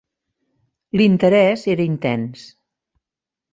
L"interès era intens.